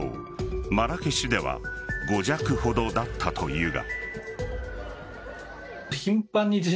マラケシュでは５弱ほどだったというが。